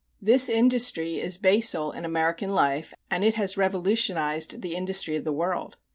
This industry is basal in American life, and it has revolutionized the industry of the world.